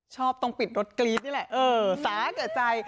ชอบต้องปิดรถกรี๊ดนี่แหละสาหรับเกิดใจ